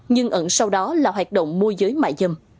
nhưng ẩn sau đó là hoạt động môi giới mại dâm